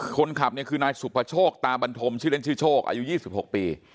คนขับเนี่ยคือนายสุภโชคตาบันทมชื่อเล่นชื่อโชคอายุ๒๖ปี